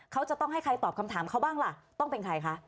เขาจะต้องให้ใครตอบคำถามเขาบ้างล่ะต้องเป็นใครคะ